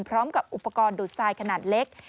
พร้อมกับอุปกรณ์ดูดทรายขนาดเล็ก